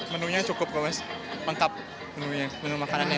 menunya cukup enkap menu makanan